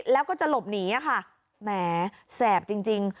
แล้วก็จะหลบหนีค่ะแหมแสบจริง